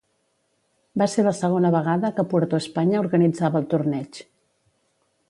Va ser la segona vegada que Puerto España organitzava el torneig.